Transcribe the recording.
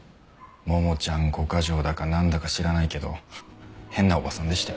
ももちゃん５ヶ条だかなんだか知らないけど変なおばさんでしたよ。